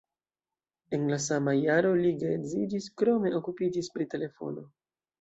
En la sama jaro li geedziĝis, krome okupiĝis pri telefono.